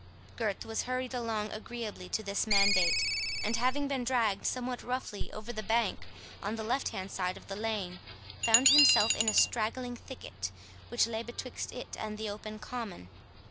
Gurth was hurried along agreeably to this mandate, and having been dragged somewhat roughly over the bank, on the left hand side of the lane, found himself in a straggling thicket, which lay betwixt it and the open common.